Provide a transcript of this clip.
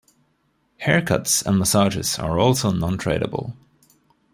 Haircuts and massages are also non-tradable.